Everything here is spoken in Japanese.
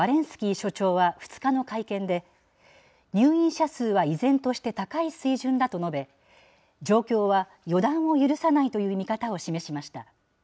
スキー所長は２日の会見で、入院者数は依然として高い水準だと述べ、状況は予断を許さないという見方を示しました。